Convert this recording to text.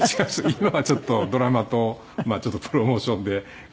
今はちょっとドラマとまあちょっとプロモーションで。